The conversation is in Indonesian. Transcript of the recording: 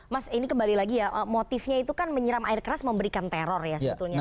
mas ini kembali lagi ya motifnya itu kan menyiram air keras memberikan teror ya sebetulnya